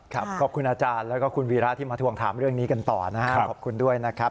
ขอบคุณอาจารย์แล้วก็คุณวีระที่มาทวงถามเรื่องนี้กันต่อนะครับขอบคุณด้วยนะครับ